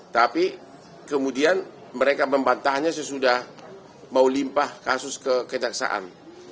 tapi kemudian mereka membatahnya sesudah mau limpah kasus kekejaksaan